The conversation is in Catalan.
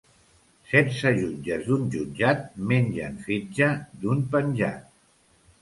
Setze jutges d’un jutjat mengen fetge d’un penjat.